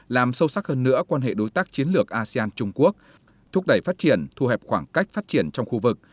làm sâu sắc hơn nữa quan hệ đối tác chiến lược asean trung quốc thúc đẩy phát triển thu hẹp khoảng cách phát triển trong khu vực